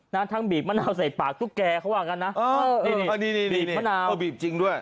ทั้งบีบมะนาวใส่ปากตุ๊กแก่เขาว่างั้นนะเออนี่นี่บีบมะนาวเออบีบจริงด้วย